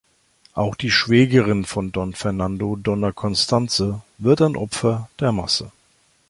Auch die Schwägerin von Don Fernando, Donna Constanze, wird ein Opfer der Masse.